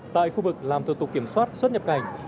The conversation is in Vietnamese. tại khu vực làm thủ tục kiểm soát xuất nhập cảnh